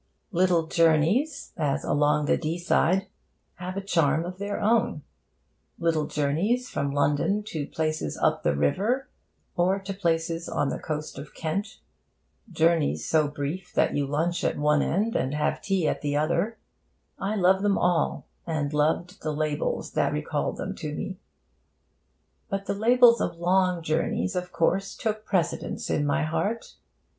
Little journeys, as along the Deeside, have a charm of their own. Little journeys from London to places up the river, or to places on the coast of Kent journeys so brief that you lunch at one end and have tea at the other I love them all, and loved the labels that recalled them to me. But the labels of long journeys, of course, took precedence in my heart.